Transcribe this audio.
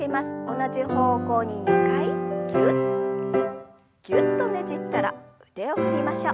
同じ方向に２回ぎゅっぎゅっとねじったら腕を振りましょう。